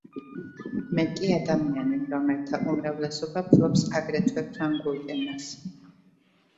მეტი ადამიანი, რომელთა უმრავლესობა ფლობს აგრეთვე ფრანგულ ენას.